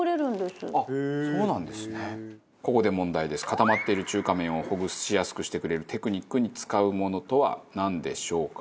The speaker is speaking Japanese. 固まってる中華麺をほぐしやすくしてくれるテクニックに使うものとはなんでしょうか？